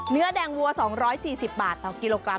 เนื้อแดงวัว๒๔๐บาทต่อกิโลกรัม